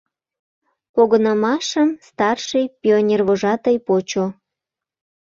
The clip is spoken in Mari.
Погынымашым старший пионервожатый почо.